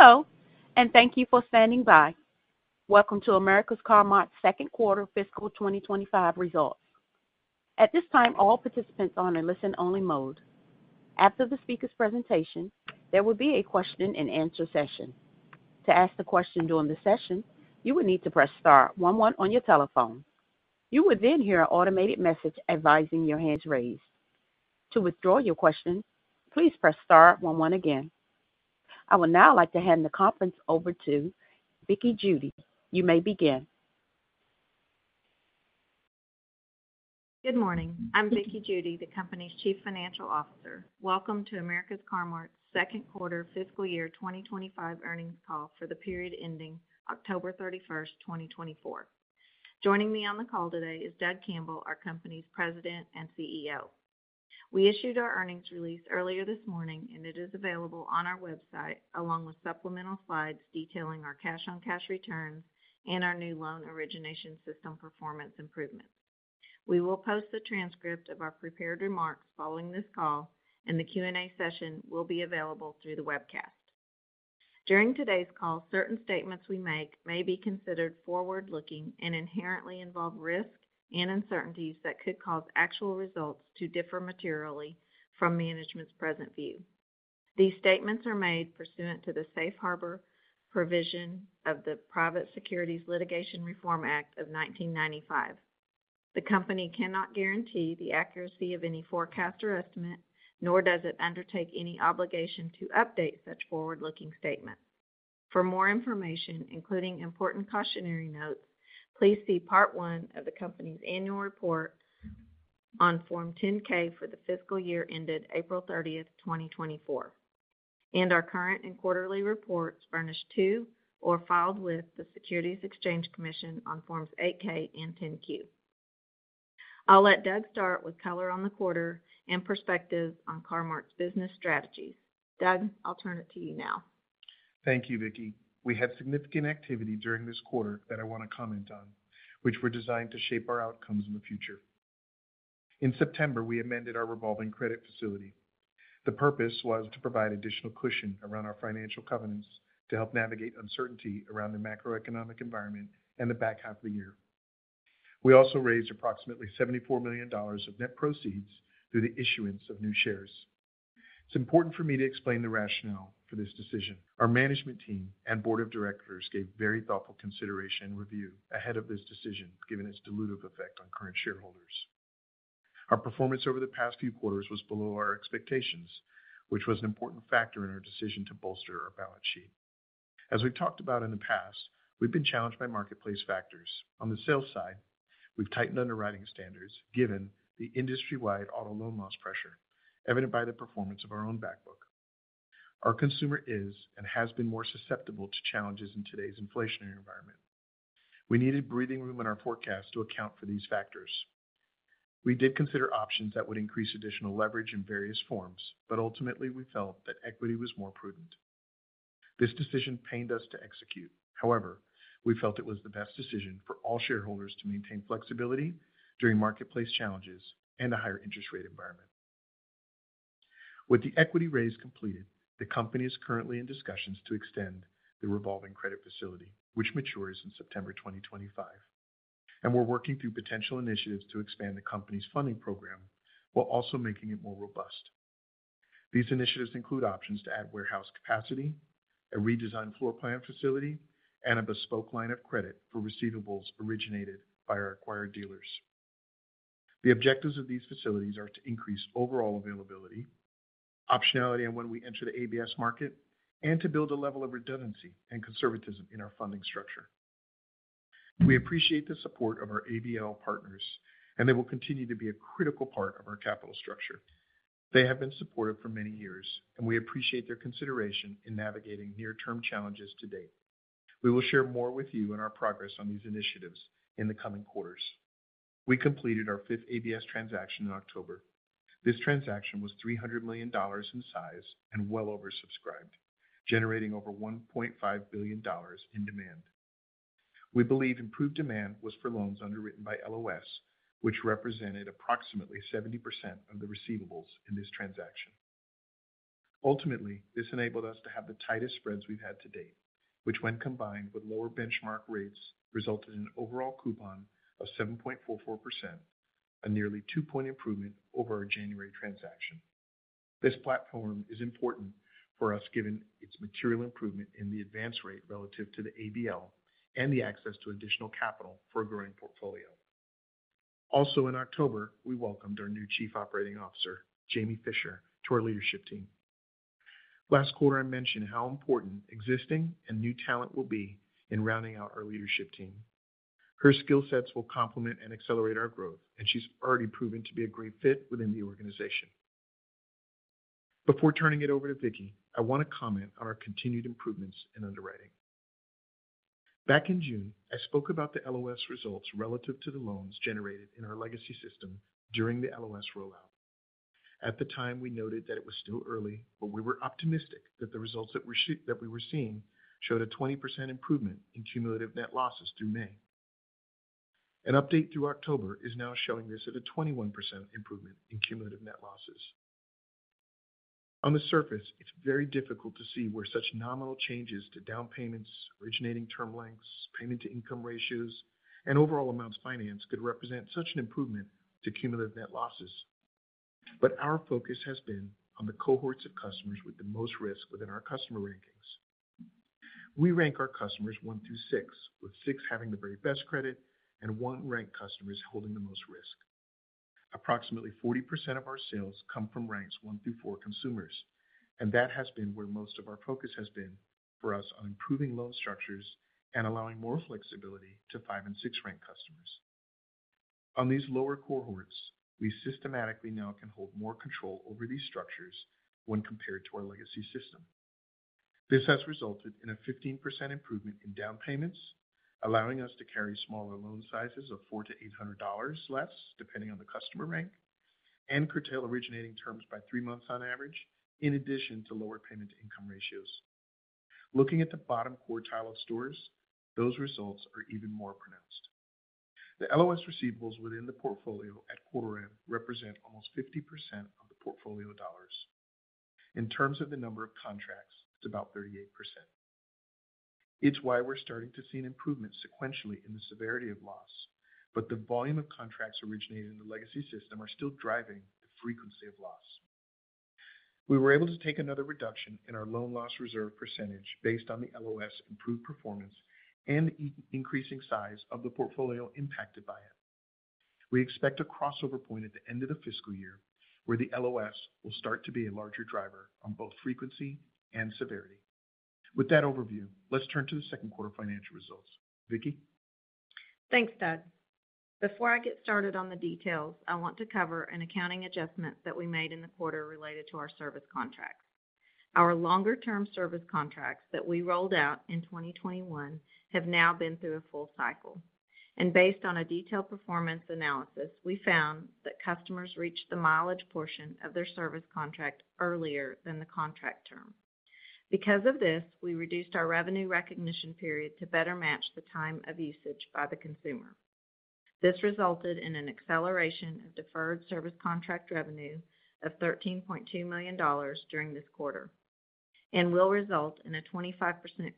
Hello, and thank you for standing by. Welcome to America's Car-Mart Second Quarter Fiscal 2025 results. At this time, all participants are on a listen-only mode. After the speaker's presentation, there will be a question-and-answer session. To ask a question during the session, you will need to press star 11 on your telephone. You will then hear an automated message advising your hand is raised. To withdraw your question, please press star 11 again. I would now like to hand the conference over to Vickie Judy. You may begin. Good morning. I'm Vickie Judy, the company's Chief Financial Officer. Welcome to America's Car-Mart Second Quarter Fiscal Year 2025 earnings call for the period ending October 31st, 2024. Joining me on the call today is Doug Campbell, our company's President and CEO. We issued our earnings release earlier this morning, and it is available on our website along with supplemental slides detailing our cash-on-cash returns and our new loan origination system performance improvements. We will post the transcript of our prepared remarks following this call, and the Q&A session will be available through the webcast. During today's call, certain statements we make may be considered forward-looking and inherently involve risk and uncertainties that could cause actual results to differ materially from management's present view. These statements are made pursuant to the safe harbor provision of the Private Securities Litigation Reform Act of 1995. The company cannot guarantee the accuracy of any forecast or estimate, nor does it undertake any obligation to update such forward-looking statements. For more information, including important cautionary notes, please see Part I of the company's Annual Report on Form 10-K for the fiscal year ended April 30th, 2024, and our current and quarterly reports furnished to or filed with the Securities and Exchange Commission on Forms 8-K and 10-Q. I'll let Doug start with color on the quarter and perspectives on Car-Mart's business strategies. Doug, I'll turn it to you now. Thank you, Vickie. We had significant activity during this quarter that I want to comment on, which were designed to shape our outcomes in the future. In September, we amended our revolving credit facility. The purpose was to provide additional cushion around our financial covenants to help navigate uncertainty around the macroeconomic environment and the back half of the year. We also raised approximately $74 million of net proceeds through the issuance of new shares. It's important for me to explain the rationale for this decision. Our management team and board of directors gave very thoughtful consideration and review ahead of this decision, given its dilutive effect on current shareholders. Our performance over the past few quarters was below our expectations, which was an important factor in our decision to bolster our balance sheet. As we've talked about in the past, we've been challenged by marketplace factors. On the sales side, we've tightened underwriting standards given the industry-wide auto loan loss pressure, evident by the performance of our own back book. Our consumer is and has been more susceptible to challenges in today's inflationary environment. We needed breathing room in our forecast to account for these factors. We did consider options that would increase additional leverage in various forms, but ultimately, we felt that equity was more prudent. This decision pained us to execute. However, we felt it was the best decision for all shareholders to maintain flexibility during marketplace challenges and a higher interest rate environment. With the equity raise completed, the company is currently in discussions to extend the revolving credit facility, which matures in September 2025, and we're working through potential initiatives to expand the company's funding program while also making it more robust. These initiatives include options to add warehouse capacity, a redesigned floor plan facility, and a bespoke line of credit for receivables originated by our acquired dealers. The objectives of these facilities are to increase overall availability, optionality on when we enter the ABS market, and to build a level of redundancy and conservatism in our funding structure. We appreciate the support of our ABL partners, and they will continue to be a critical part of our capital structure. They have been supportive for many years, and we appreciate their consideration in navigating near-term challenges to date. We will share more with you and our progress on these initiatives in the coming quarters. We completed our fifth ABS transaction in October. This transaction was $300 million in size and well oversubscribed, generating over $1.5 billion in demand. We believe improved demand was for loans underwritten by LOS, which represented approximately 70% of the receivables in this transaction. Ultimately, this enabled us to have the tightest spreads we've had to date, which, when combined with lower benchmark rates, resulted in an overall coupon of 7.44%, a nearly two-point improvement over our January transaction. This platform is important for us given its material improvement in the advance rate relative to the ABL and the access to additional capital for a growing portfolio. Also, in October, we welcomed our new Chief Operating Officer, Jamie Fischer, to our leadership team. Last quarter, I mentioned how important existing and new talent will be in rounding out our leadership team. Her skill sets will complement and accelerate our growth, and she's already proven to be a great fit within the organization. Before turning it over to Vickie, I want to comment on our continued improvements in underwriting. Back in June, I spoke about the LOS results relative to the loans generated in our legacy system during the LOS rollout. At the time, we noted that it was still early, but we were optimistic that the results that we were seeing showed a 20% improvement in cumulative net losses through May. An update through October is now showing this at a 21% improvement in cumulative net losses. On the surface, it's very difficult to see where such nominal changes to down payments, originating term lengths, payment-to-income ratios, and overall amounts financed could represent such an improvement to cumulative net losses. But our focus has been on the cohorts of customers with the most risk within our customer rankings. We rank our customers one through six, with six having the very best credit and one-rank customers holding the most risk. Approximately 40% of our sales come from ranks one through four consumers, and that has been where most of our focus has been for us on improving loan structures and allowing more flexibility to five and six-rank customers. On these lower cohorts, we systematically now can hold more control over these structures when compared to our legacy system. This has resulted in a 15% improvement in down payments, allowing us to carry smaller loan sizes of $400-$800 less, depending on the customer rank, and curtail originating terms by three months on average, in addition to lower payment-to-income ratios. Looking at the bottom quartile of stores, those results are even more pronounced. The LOS receivables within the portfolio at quarter-end represent almost 50% of the portfolio dollars. In terms of the number of contracts, it's about 38%. It's why we're starting to see an improvement sequentially in the severity of loss, but the volume of contracts originating in the legacy system are still driving the frequency of loss. We were able to take another reduction in our loan loss reserve percentage based on the LOS improved performance and the increasing size of the portfolio impacted by it. We expect a crossover point at the end of the fiscal year where the LOS will start to be a larger driver on both frequency and severity. With that overview, let's turn to the second quarter financial results. Vickie? Thanks, Doug. Before I get started on the details, I want to cover an accounting adjustment that we made in the quarter related to our service contracts. Our longer-term service contracts that we rolled out in 2021 have now been through a full cycle. And based on a detailed performance analysis, we found that customers reached the mileage portion of their service contract earlier than the contract term. Because of this, we reduced our revenue recognition period to better match the time of usage by the consumer. This resulted in an acceleration of deferred service contract revenue of $13.2 million during this quarter and will result in a 25%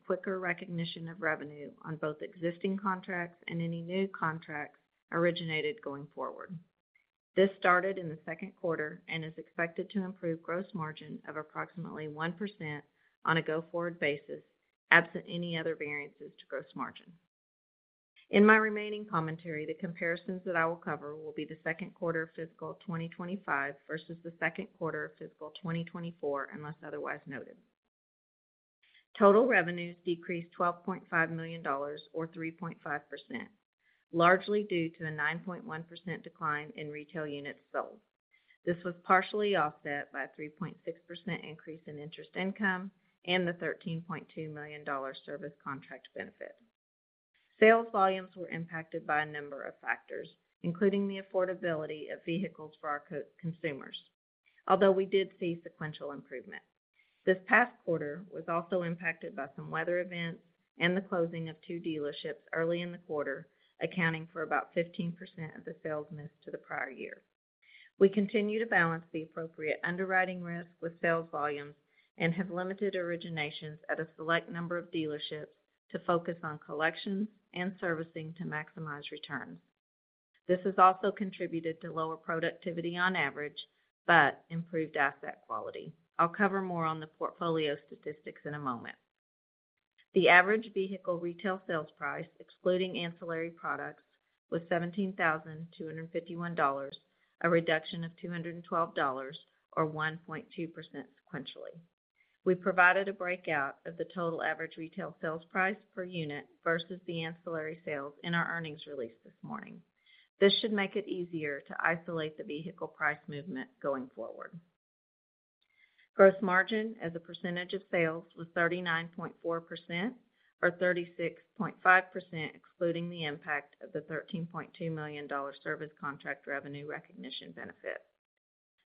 quicker recognition of revenue on both existing contracts and any new contracts originated going forward. This started in the second quarter and is expected to improve gross margin of approximately 1% on a go-forward basis, absent any other variances to gross margin. In my remaining commentary, the comparisons that I will cover will be the second quarter of fiscal 2025 versus the second quarter of fiscal 2024, unless otherwise noted. Total revenues decreased $12.5 million, or 3.5%, largely due to a 9.1% decline in retail units sold. This was partially offset by a 3.6% increase in interest income and the $13.2 million service contract benefit. Sales volumes were impacted by a number of factors, including the affordability of vehicles for our consumers, although we did see sequential improvement. This past quarter was also impacted by some weather events and the closing of two dealerships early in the quarter, accounting for about 15% of the sales missed to the prior year. We continue to balance the appropriate underwriting risk with sales volumes and have limited originations at a select number of dealerships to focus on collections and servicing to maximize returns. This has also contributed to lower productivity on average but improved asset quality. I'll cover more on the portfolio statistics in a moment. The average vehicle retail sales price, excluding ancillary products, was $17,251, a reduction of $212, or 1.2% sequentially. We provided a breakout of the total average retail sales price per unit versus the ancillary sales in our earnings release this morning. This should make it easier to isolate the vehicle price movement going forward. Gross margin as a percentage of sales was 39.4%, or 36.5%, excluding the impact of the $13.2 million service contract revenue recognition benefit.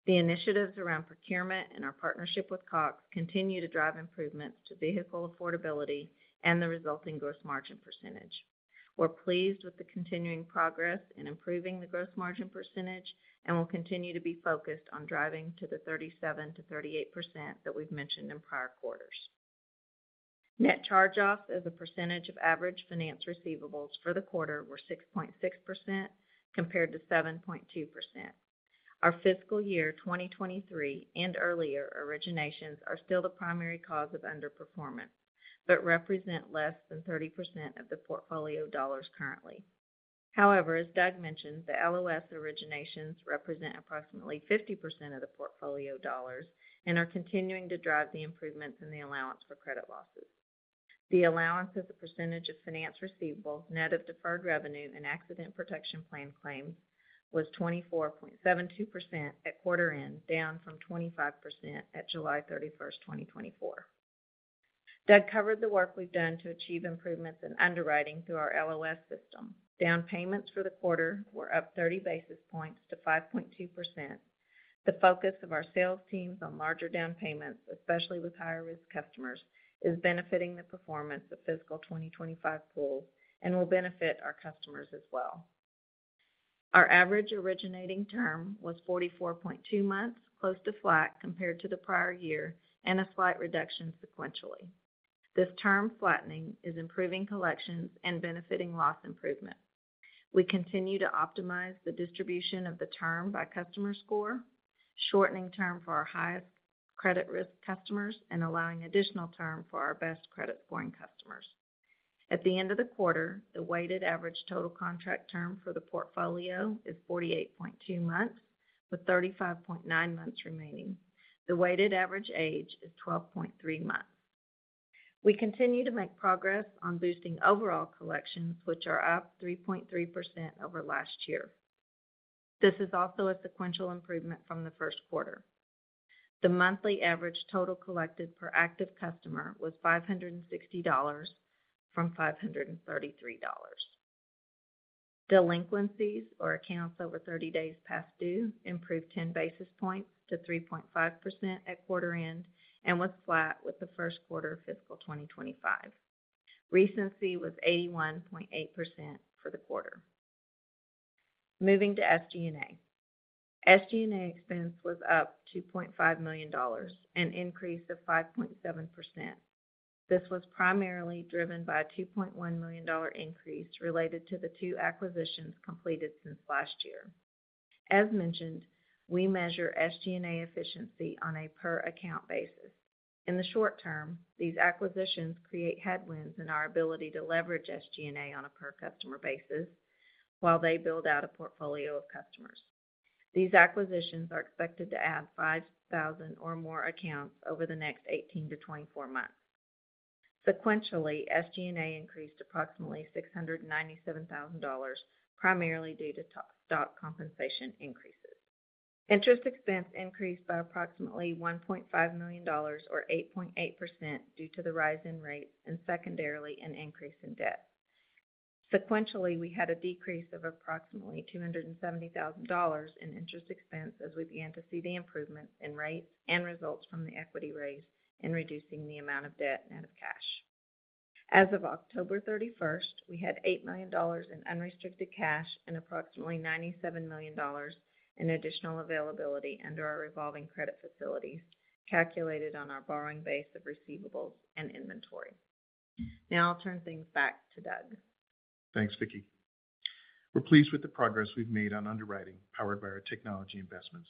The initiatives around procurement and our partnership with Cox continue to drive improvements to vehicle affordability and the resulting gross margin percentage. We're pleased with the continuing progress in improving the gross margin percentage and will continue to be focused on driving to the 37% to 38% that we've mentioned in prior quarters. Net charge-offs as a percentage of average finance receivables for the quarter were 6.6% compared to 7.2%. Our fiscal year 2023 and earlier originations are still the primary cause of underperformance but represent less than 30% of the portfolio dollars currently. However, as Doug mentioned, the LOS originations represent approximately 50% of the portfolio dollars and are continuing to drive the improvements in the allowance for credit losses. The allowance as a percentage of finance receivables net of deferred revenue and Accident Protection Plan claims was 24.72% at quarter-end, down from 25% at July 31st, 2024. Doug covered the work we've done to achieve improvements in underwriting through our LOS system. Down payments for the quarter were up 30 basis points to 5.2%. The focus of our sales teams on larger down payments, especially with higher-risk customers, is benefiting the performance of fiscal 2025 pools and will benefit our customers as well. Our average originating term was 44.2 months, close to flat compared to the prior year, and a slight reduction sequentially. This term flattening is improving collections and benefiting loss improvement. We continue to optimize the distribution of the term by customer score, shortening term for our highest credit risk customers and allowing additional term for our best credit scoring customers. At the end of the quarter, the weighted average total contract term for the portfolio is 48.2 months, with 35.9 months remaining. The weighted average age is 12.3 months. We continue to make progress on boosting overall collections, which are up 3.3% over last year. This is also a sequential improvement from the first quarter. The monthly average total collected per active customer was $560 from $533. Delinquencies, or accounts over 30 days past due, improved 10 basis points to 3.5% at quarter-end and was flat with the first quarter of fiscal 2025. Recency was 81.8% for the quarter. Moving to SG&A. SG&A expense was up $2.5 million and increased of 5.7%. This was primarily driven by a $2.1 million increase related to the two acquisitions completed since last year. As mentioned, we measure SG&A efficiency on a per-account basis. In the short term, these acquisitions create headwinds in our ability to leverage SG&A on a per-customer basis while they build out a portfolio of customers. These acquisitions are expected to add 5,000 or more accounts over the next 18-24 months. Sequentially, SG&A increased approximately $697,000, primarily due to stock compensation increases. Interest expense increased by approximately $1.5 million, or 8.8%, due to the rise in rates and secondarily an increase in debt. Sequentially, we had a decrease of approximately $270,000 in interest expense as we began to see the improvements in rates and results from the equity raise in reducing the amount of debt net of cash. As of October 31st, we had $8 million in unrestricted cash and approximately $97 million in additional availability under our revolving credit facilities calculated on our borrowing base of receivables and inventory. Now I'll turn things back to Doug. Thanks, Vickie. We're pleased with the progress we've made on underwriting powered by our technology investments.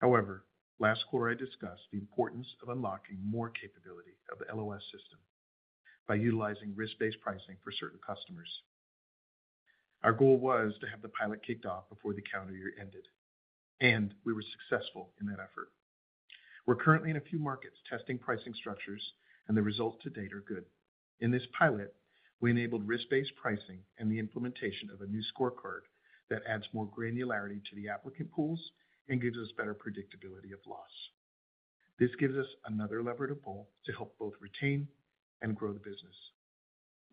However, last quarter, I discussed the importance of unlocking more capability of the LOS system by utilizing risk-based pricing for certain customers. Our goal was to have the pilot kicked off before the calendar year ended, and we were successful in that effort. We're currently in a few markets testing pricing structures, and the results to date are good. In this pilot, we enabled risk-based pricing and the implementation of a new scorecard that adds more granularity to the applicant pools and gives us better predictability of loss. This gives us another lever to pull to help both retain and grow the business.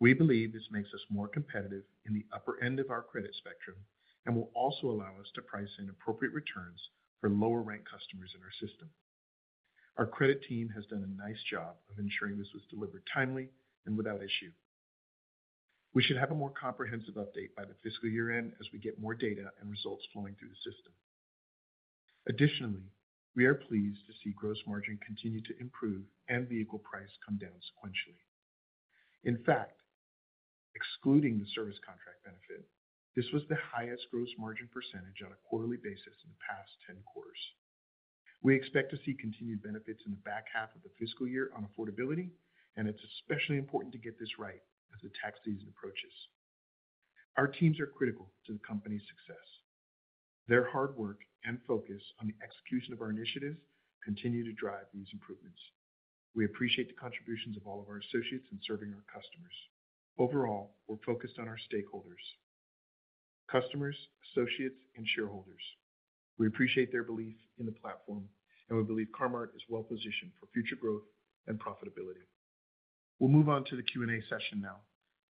We believe this makes us more competitive in the upper end of our credit spectrum and will also allow us to price in appropriate returns for lower-ranked customers in our system. Our credit team has done a nice job of ensuring this was delivered timely and without issue. We should have a more comprehensive update by the fiscal year end as we get more data and results flowing through the system. Additionally, we are pleased to see gross margin continue to improve and vehicle price come down sequentially. In fact, excluding the service contract benefit, this was the highest gross margin percentage on a quarterly basis in the past 10 quarters. We expect to see continued benefits in the back half of the fiscal year on affordability, and it's especially important to get this right as the tax season approaches. Our teams are critical to the company's success. Their hard work and focus on the execution of our initiatives continue to drive these improvements. We appreciate the contributions of all of our associates in serving our customers. Overall, we're focused on our stakeholders: customers, associates, and shareholders. We appreciate their belief in the platform, and we believe Car-Mart is well-positioned for future growth and profitability. We'll move on to the Q&A session now.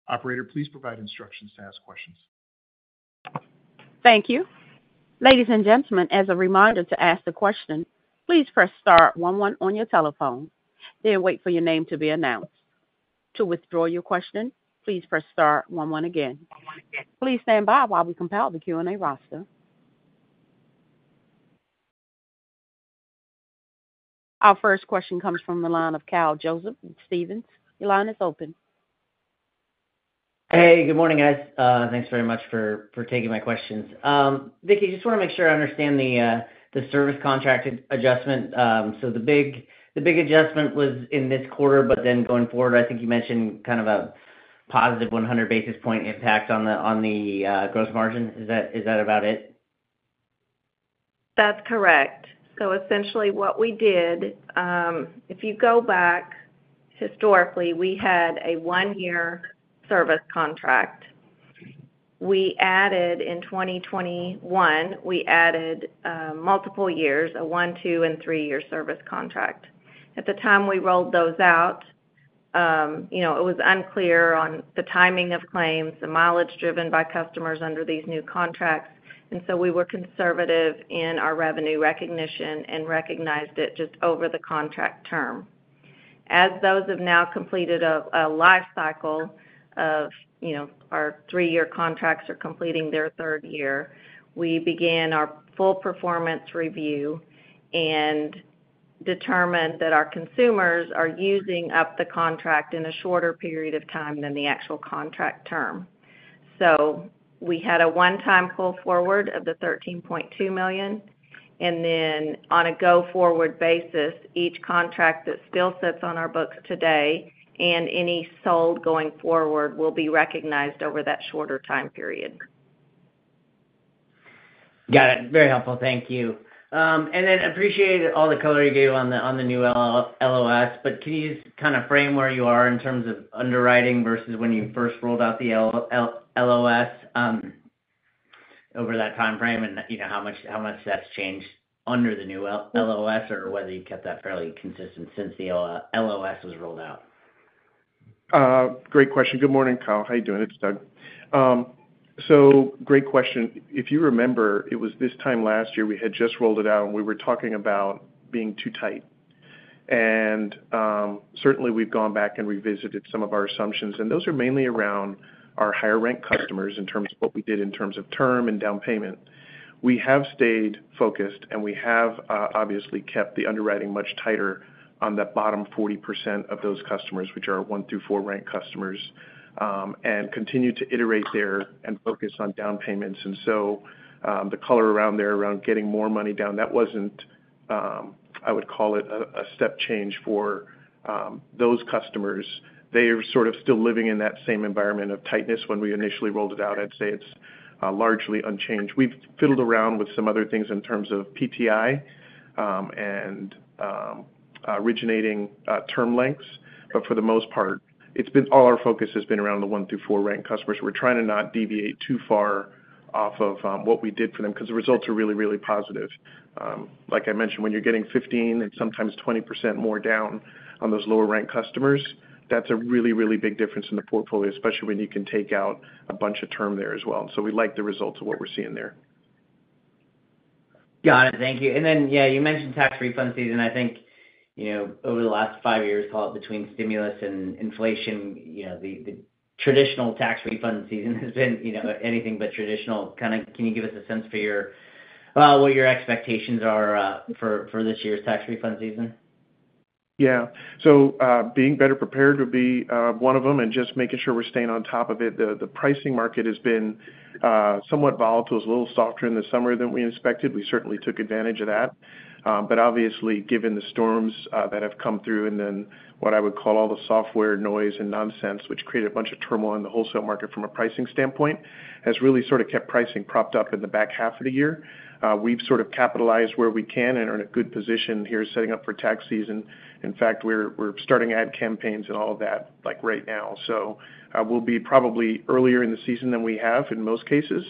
Operator, please provide instructions to ask questions. Thank you. Ladies and gentlemen, as a reminder to ask the question, please press star 11 on your telephone, then wait for your name to be announced. To withdraw your question, please press star 11 again. Please stand by while we compile the Q&A roster. Our first question comes from the line of Kyle Joseph. Your line is open. Hey, good morning, guys. Thanks very much for taking my questions. Vickie, I just want to make sure I understand the service contract adjustment. So the big adjustment was in this quarter, but then going forward, I think you mentioned kind of a positive 100 basis point impact on the gross margin. Is that about it? That's correct. So essentially what we did, if you go back historically, we had a one-year service contract. In 2021, we added multiple years, a one, two, and three-year service contract. At the time we rolled those out, it was unclear on the timing of claims, the mileage driven by customers under these new contracts. And so we were conservative in our revenue recognition and recognized it just over the contract term. As those have now completed a life cycle of our three-year contracts are completing their third year, we began our full performance review and determined that our consumers are using up the contract in a shorter period of time than the actual contract term. We had a one-time pull forward of the $13.2 million, and then on a go-forward basis, each contract that still sits on our books today and any sold going forward will be recognized over that shorter time period. Got it. Very helpful. Thank you. And then I appreciate all the color you gave on the new LOS, but can you just kind of frame where you are in terms of underwriting versus when you first rolled out the LOS over that time frame and how much that's changed under the new LOS or whether you kept that fairly consistent since the LOS was rolled out? Great question. Good morning, Kyle. How are you doing? It's Doug. So great question. If you remember, it was this time last year we had just rolled it out, and we were talking about being too tight, and certainly we've gone back and revisited some of our assumptions, and those are mainly around our higher-ranked customers in terms of what we did in terms of term and down payment. We have stayed focused, and we have obviously kept the underwriting much tighter on the bottom 40% of those customers, which are one through four-rank customers, and continued to iterate there and focus on down payments. And so the color around there around getting more money down, that wasn't, I would call it, a step change for those customers. They are sort of still living in that same environment of tightness. When we initially rolled it out, I'd say it's largely unchanged. We've fiddled around with some other things in terms of PTI and originating term lengths, but for the most part, all our focus has been around the one through four-rank customers. We're trying to not deviate too far off of what we did for them because the results are really, really positive. Like I mentioned, when you're getting 15% and sometimes 20% more down on those lower-ranked customers, that's a really, really big difference in the portfolio, especially when you can take out a bunch of term there as well. And so we like the results of what we're seeing there. Got it. Thank you. And then, yeah, you mentioned tax refund season. I think over the last five years, call it between stimulus and inflation, the traditional tax refund season has been anything but traditional. Kind of can you give us a sense for what your expectations are for this year's tax refund season? Yeah. So being better prepared would be one of them and just making sure we're staying on top of it. The pricing market has been somewhat volatile, a little softer in the summer than we expected. We certainly took advantage of that. But obviously, given the storms that have come through and then what I would call all the software noise and nonsense, which created a bunch of turmoil in the wholesale market from a pricing standpoint, has really sort of kept pricing propped up in the back half of the year. We've sort of capitalized where we can and are in a good position here setting up for tax season. In fact, we're starting ad campaigns and all of that right now. So we'll be probably earlier in the season than we have in most cases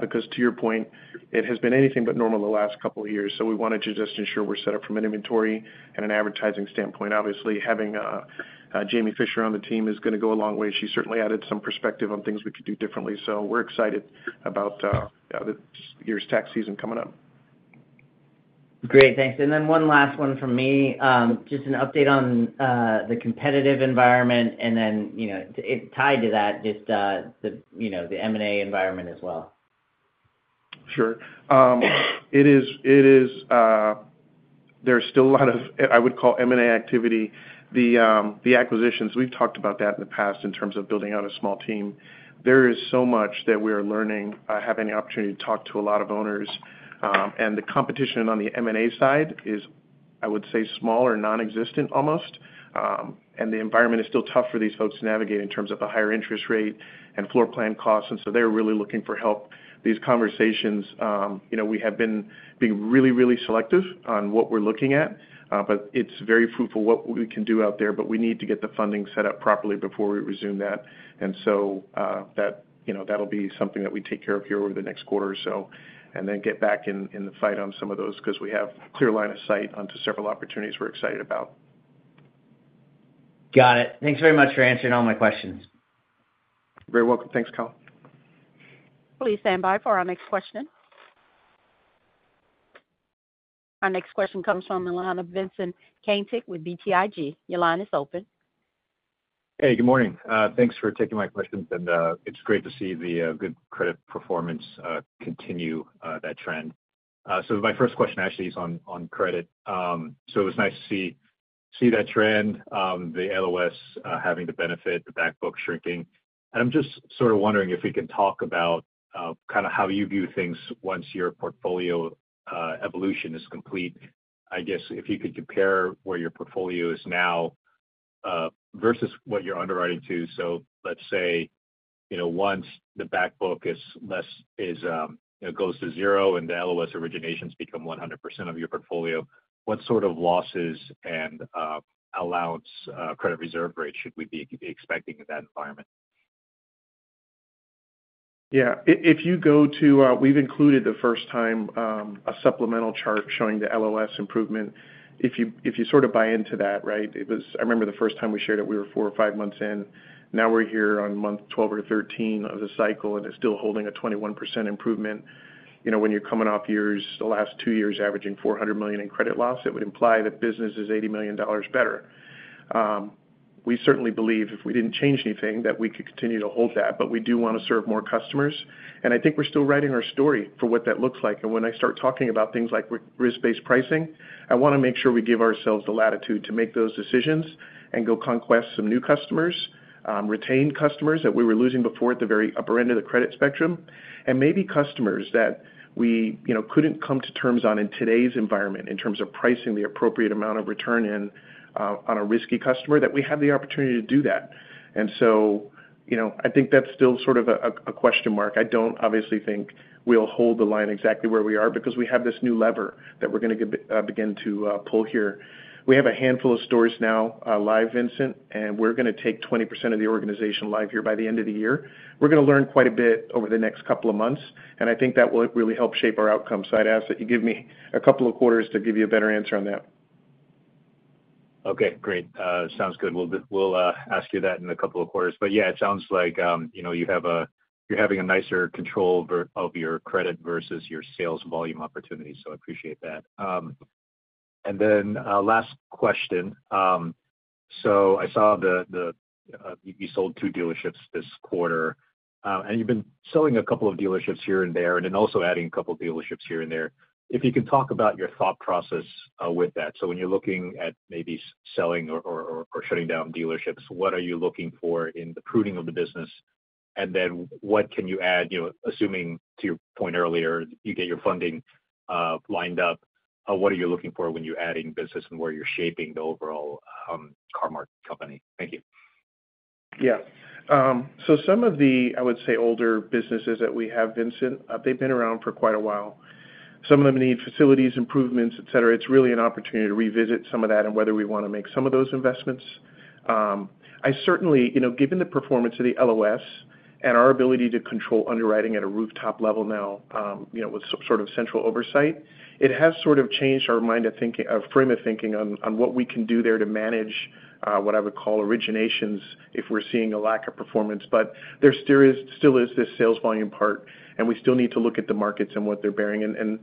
because, to your point, it has been anything but normal the last couple of years. So we wanted to just ensure we're set up from an inventory and an advertising standpoint. Obviously, having Jamie Fischer on the team is going to go a long way. She certainly added some perspective on things we could do differently. So we're excited about this year's tax season coming up. Great. Thanks. And then one last one from me, just an update on the competitive environment and then tied to that, just the M&A environment as well. Sure. It is. There's still a lot of, I would call, M&A activity. The acquisitions, we've talked about that in the past in terms of building out a small team. There is so much that we are learning. I have an opportunity to talk to a lot of owners, and the competition on the M&A side is, I would say, small or nonexistent almost. And the environment is still tough for these folks to navigate in terms of the higher interest rate and floor plan costs, and so they're really looking for help. These conversations, we have been being really, really selective on what we're looking at, but it's very fruitful what we can do out there. But we need to get the funding set up properly before we resume that. That'll be something that we take care of here over the next quarter or so, and then get back in the fight on some of those because we have a clear line of sight onto several opportunities we're excited about. Got it. Thanks very much for answering all my questions. You're very welcome. Thanks, Kyle. Please stand by for our next question. Our next question comes from Vincent Caintic with BTIG. Your line is open. Hey, good morning. Thanks for taking my questions. And it's great to see the good credit performance continue that trend. So my first question actually is on credit. So it was nice to see that trend, the LOS having the benefit, the back book shrinking. And I'm just sort of wondering if we can talk about kind of how you view things once your portfolio evolution is complete. I guess if you could compare where your portfolio is now versus what you're underwriting to. So let's say once the back book goes to zero and the LOS originations become 100% of your portfolio, what sort of losses and allowance credit reserve rate should we be expecting in that environment? Yeah. If you go to, we've included the first time a supplemental chart showing the LOS improvement. If you sort of buy into that, right? I remember the first time we shared it, we were four or five months in. Now we're here on month 12 or 13 of the cycle, and it's still holding a 21% improvement. When you're coming off years, the last two years averaging $400 million in credit loss, it would imply that business is $80 million better. We certainly believe if we didn't change anything that we could continue to hold that, but we do want to serve more customers. And I think we're still writing our story for what that looks like. And when I start talking about things like risk-based pricing, I want to make sure we give ourselves the latitude to make those decisions and go conquest some new customers, retain customers that we were losing before at the very upper end of the credit spectrum, and maybe customers that we couldn't come to terms on in today's environment in terms of pricing the appropriate amount of return in on a risky customer that we have the opportunity to do that. And so I think that's still sort of a question mark. I don't obviously think we'll hold the line exactly where we are because we have this new lever that we're going to begin to pull here. We have a handful of stores now live, Vincent, and we're going to take 20% of the organization live here by the end of the year. We're going to learn quite a bit over the next couple of months, and I think that will really help shape our outcome, so I'd ask that you give me a couple of quarters to give you a better answer on that. Okay. Great. Sounds good. We'll ask you that in a couple of quarters, but yeah, it sounds like you're having a nicer control of your credit versus your sales volume opportunities, so I appreciate that, and then last question, so I saw that you sold two dealerships this quarter, and you've been selling a couple of dealerships here and there and then also adding a couple of dealerships here and there. If you can talk about your thought process with that, so when you're looking at maybe selling or shutting down dealerships, what are you looking for in the pruning of the business? And then what can you add, assuming to your point earlier, you get your funding lined up? What are you looking for when you're adding business and where you're shaping the overall Car-Mart company? Thank you. Yeah. So some of the, I would say, older businesses that we have, Vincent, they've been around for quite a while. Some of them need facilities, improvements, etc. It's really an opportunity to revisit some of that and whether we want to make some of those investments. I certainly, given the performance of the LOS and our ability to control underwriting at a rooftop level now with sort of central oversight, it has sort of changed our mind of thinking, our frame of thinking on what we can do there to manage what I would call originations if we're seeing a lack of performance. But there still is this sales volume part, and we still need to look at the markets and what they're bearing. And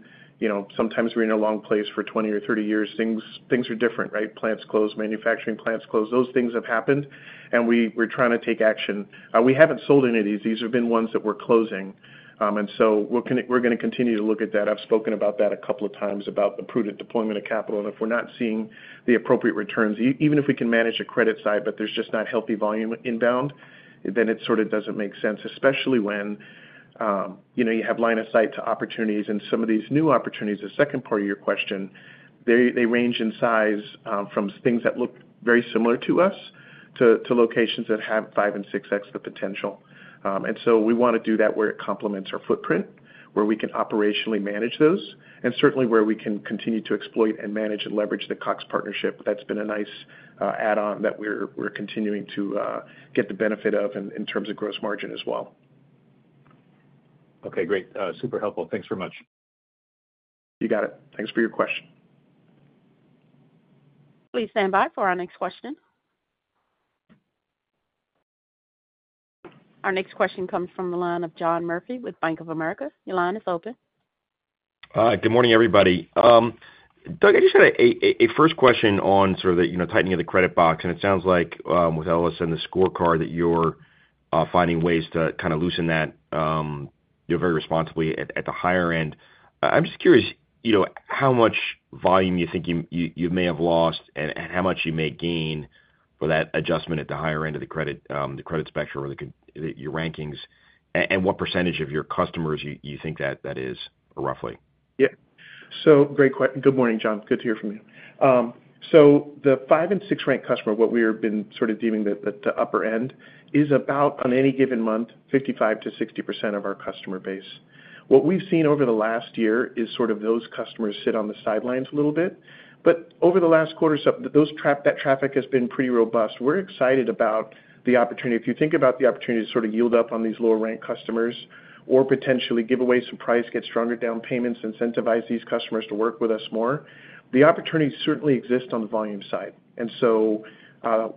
sometimes we're in a long place for 20 or 30 years. Things are different, right? Plants close, manufacturing plants close. Those things have happened, and we're trying to take action. We haven't sold any of these. These have been ones that we're closing. And so we're going to continue to look at that. I've spoken about that a couple of times about the prudent deployment of capital. And if we're not seeing the appropriate returns, even if we can manage the credit side, but there's just not healthy volume inbound, then it sort of doesn't make sense, especially when you have line of sight to opportunities. And some of these new opportunities, the second part of your question, they range in size from things that look very similar to us to locations that have 5 and 6x the potential. We want to do that where it complements our footprint, where we can operationally manage those, and certainly where we can continue to exploit and manage and leverage the Cox partnership. That's been a nice add-on that we're continuing to get the benefit of in terms of gross margin as well. Okay. Great. Super helpful. Thanks very much. You got it. Thanks for your question. Please stand by for our next question. Our next question comes from the line of John Murphy with Bank of America. The line is open. Good morning, everybody. Doug, I just had a first question on sort of the tightening of the credit box, and it sounds like with LOS and the scorecard that you're finding ways to kind of loosen that very responsibly at the higher end. I'm just curious how much volume you think you may have lost and how much you may gain for that adjustment at the higher end of the credit spectrum or your rankings and what percentage of your customers you think that is roughly? Yeah. So great question. Good morning, John. Good to hear from you. So the five and six-rank customer, what we have been sort of deeming the upper end, is about on any given month 55%-60% of our customer base. What we've seen over the last year is sort of those customers sit on the sidelines a little bit. But over the last quarter, that traffic has been pretty robust. We're excited about the opportunity. If you think about the opportunity to sort of yield up on these lower-ranked customers or potentially give away some price, get stronger down payments, incentivize these customers to work with us more, the opportunity certainly exists on the volume side. And so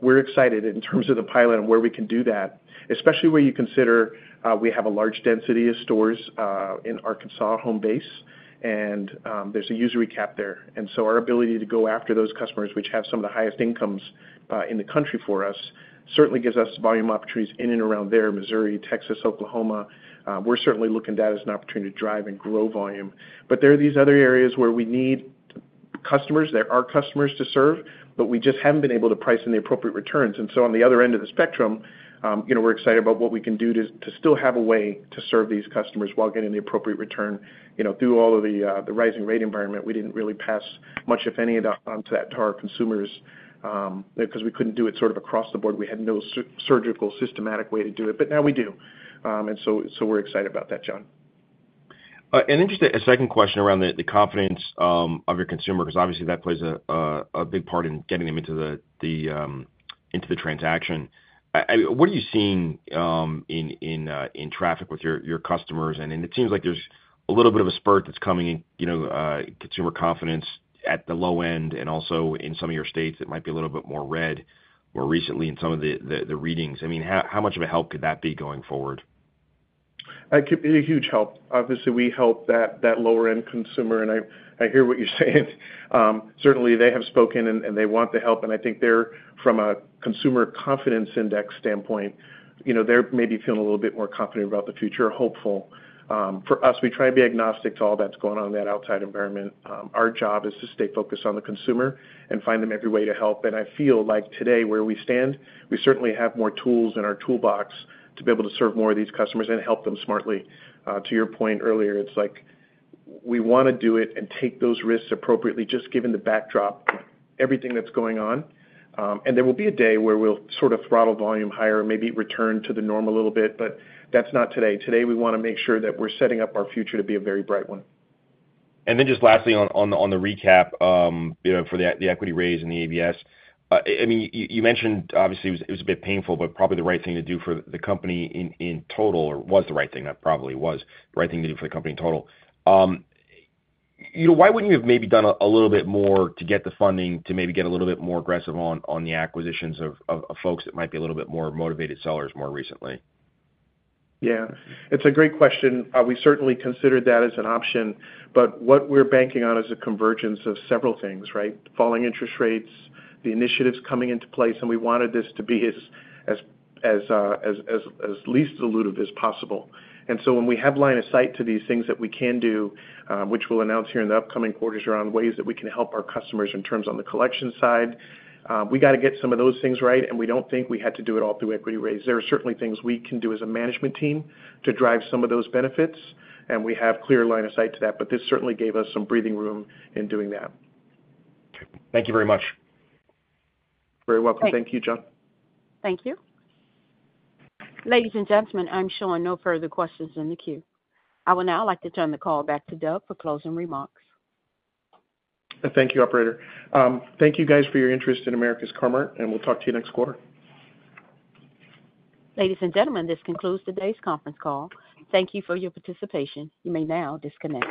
we're excited in terms of the pilot and where we can do that, especially where you consider we have a large density of stores in Arkansas home base, and there's a customer base there. And so our ability to go after those customers, which have some of the highest incomes in the country for us, certainly gives us volume opportunities in and around there, Missouri, Texas, Oklahoma. We're certainly looking at that as an opportunity to drive and grow volume. But there are these other areas where we need customers that are customers to serve, but we just haven't been able to price in the appropriate returns. And so on the other end of the spectrum, we're excited about what we can do to still have a way to serve these customers while getting the appropriate return through all of the rising rate environment. We didn't really pass much, if any, onto that to our consumers because we couldn't do it sort of across the board. We had no surgical systematic way to do it, but now we do, and so we're excited about that, John. Interesting, a second question around the confidence of your consumer because obviously that plays a big part in getting them into the transaction. What are you seeing in traffic with your customers? It seems like there's a little bit of a spurt that's coming in consumer confidence at the low end and also in some of your states that might be a little bit more read more recently in some of the readings. I mean, how much of a help could that be going forward? It could be a huge help. Obviously, we help that lower-end consumer, and I hear what you're saying. Certainly, they have spoken, and they want the help, and I think they're, from a consumer confidence index standpoint, they're maybe feeling a little bit more confident about the future, hopeful. For us, we try to be agnostic to all that's going on in that outside environment. Our job is to stay focused on the consumer and find them every way to help, and I feel like today where we stand, we certainly have more tools in our toolbox to be able to serve more of these customers and help them smartly. To your point earlier, it's like we want to do it and take those risks appropriately, just given the backdrop, everything that's going on. There will be a day where we'll sort of throttle volume higher, maybe return to the norm a little bit, but that's not today. Today, we want to make sure that we're setting up our future to be a very bright one. And then just lastly on the recap for the equity raise and the ABS, I mean, you mentioned obviously it was a bit painful, but probably the right thing to do for the company in total. Why wouldn't you have maybe done a little bit more to get the funding to maybe get a little bit more aggressive on the acquisitions of folks that might be a little bit more motivated sellers more recently? Yeah. It's a great question. We certainly considered that as an option, but what we're banking on is a convergence of several things, right? Falling interest rates, the initiatives coming into place, and we wanted this to be as least intrusive as possible. And so when we have line of sight to these things that we can do, which we'll announce here in the upcoming quarters around ways that we can help our customers in terms of on the collection side, we got to get some of those things right, and we don't think we had to do it all through equity raise. There are certainly things we can do as a management team to drive some of those benefits, and we have clear line of sight to that, but this certainly gave us some breathing room in doing that. Thank you very much. You're very welcome. Thank you, John. Thank you. Ladies and gentlemen, I'm sure no further questions in the queue. I will now like to turn the call back to Doug for closing remarks. Thank you, operator. Thank you guys for your interest in America's Car-Mart, and we'll talk to you next quarter. Ladies and gentlemen, this concludes today's conference call. Thank you for your participation. You may now disconnect.